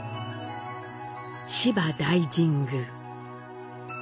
芝大神宮。